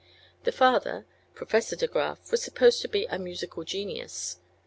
The father, Professor De Graf, was supposed to be a "musical genius."